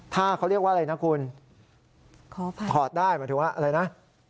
ถ้าเขาเรียกว่าอะไรนะคุณขออภัยถอดได้หมายถึงว่าอะไรนะ